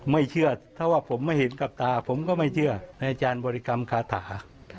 ไม่เชื่อถ้าว่าผมไม่เห็นกับตาผมก็ไม่เชื่อในอาจารย์บริกรรมคาถา